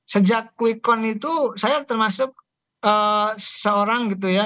sejak quick count itu saya termasuk seorang gitu ya